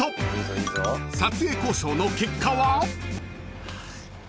［撮影交渉の結果は？］